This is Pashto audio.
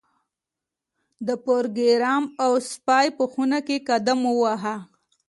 پروګرامر او سپی په خونه کې قدم واهه